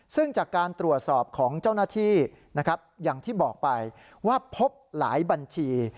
ซึ่งจากการตรวจสอบของเจ้าหน้าที่นะครับอย่างที่บอกไปว่าพบหลายบัญชี